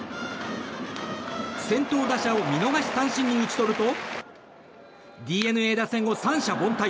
先頭打者を見逃し三振に打ち取るとＤｅＮＡ打線を三者凡退。